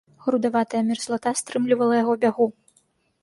Грудаватая мерзлата стрымлівала яго бягу.